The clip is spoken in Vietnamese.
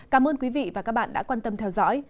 cảm ơn quý vị và các bạn đã quan tâm theo dõi